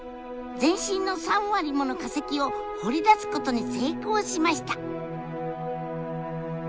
全身の３割もの化石を掘り出すことに成功しました！